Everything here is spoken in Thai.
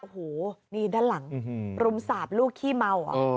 โอ้โหนี่ด้านหลังรุมสาบลูกขี้เมา